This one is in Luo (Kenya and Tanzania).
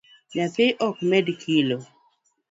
Nyathi ok med kilo?